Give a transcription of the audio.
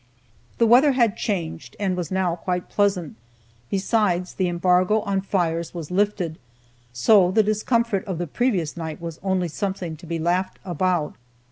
The weather had changed, and was now quite pleasant; besides, the embargo on fires was lifted, so the discomfort of the previous night was only something to be laughed about.